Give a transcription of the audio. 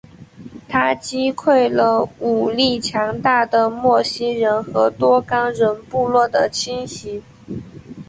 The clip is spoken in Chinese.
他击溃了武力强大的莫西人和多冈人部落的侵袭。